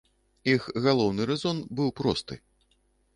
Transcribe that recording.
Іх галоўны рэзон быў просты.